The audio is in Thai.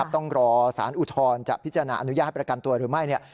ต้องรอสารอุทธรณ์จะพิจารณาอนุญาตประกันตัวหรือไม่